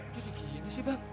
jadi gini sih bang